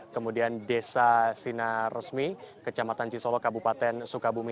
kemudian desa sinar resmi kecamatan cisolo kabupaten sukabumi